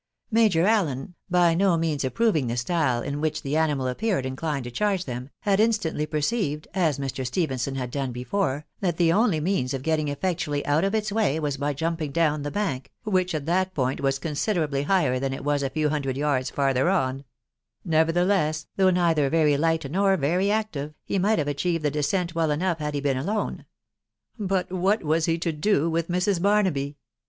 Major Allen, by no means approving the style in which the animal appeared inclined to charge them, had instantly per ceived, as Mr. Stephenson had done before, that the only means of getting effectually out of its way was by jumping down the bank, which at that point was considerably higher than it was a few hundred yards farther on; nevertheless, though neither very light nor very active, he might have achieved the descent well enough had he been alone. But what was he to do with Mrs. Barnaby